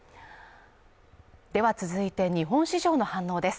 では続いて日本市場の反応です。